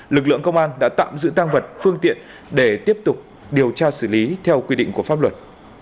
lực lượng công an đã tạm giữ tăng vật phương tiện để tiếp tục điều tra xử lý theo quy định của pháp luật